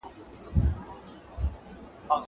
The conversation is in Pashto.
زه به انځور ليدلی وي.